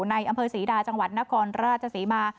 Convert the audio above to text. ในอำเภอศรีดาจังหวัดนครราชศรีมา